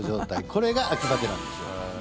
これが秋バテなんですよ。